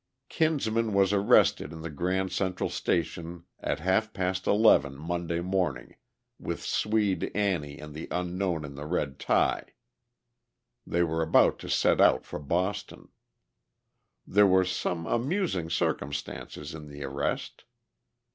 Kinsman was arrested in the Grand Central Station at half past eleven Monday morning, with Swede Annie and the unknown in the red tie. They were about to set out for Boston. There were some amusing circumstances in the arrest.